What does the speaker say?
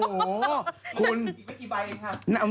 โน้น็อหน้าครับ